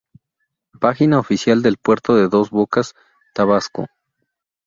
Página oficial del Puerto de Dos Bocas, Tabasco